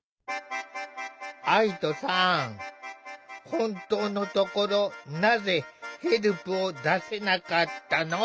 本当のところなぜヘルプを出せなかったの？